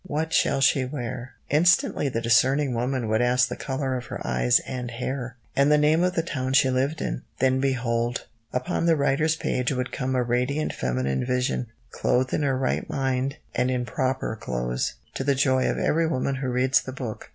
What shall she wear?" Instantly the discerning woman would ask the colour of her eyes and hair, and the name of the town she lived in, then behold! Upon the writer's page would come a radiant feminine vision, clothed in her right mind and in proper clothes, to the joy of every woman who reads the book.